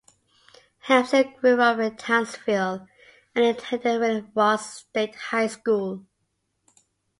Hampson grew up in Townsville and attended William Ross State High School.